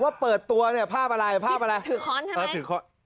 เปิดตัวเนี่ยภาพอะไรภาพอะไรถือค้อนใช่ไหมภาพถือค้อน